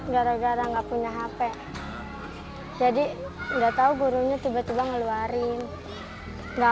gara gara nggak punya hp jadi nggak tahu gurunya tiba tiba ngeluarin enggak